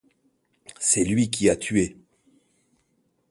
C'est lui qui a tué...